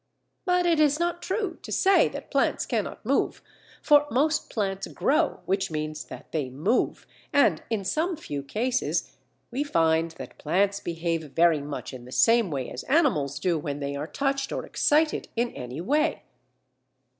But it is not true to say that plants cannot move, for most plants grow, which means that they move, and in some few cases, we find that plants behave very much in the same way as animals do when they are touched or excited in any way.